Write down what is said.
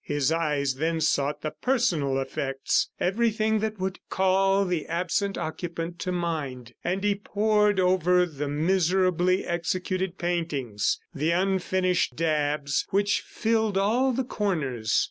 His eyes then sought the personal effects, everything that would call the absent occupant to mind; and he pored over the miserably executed paintings, the unfinished dabs which filled all the corners.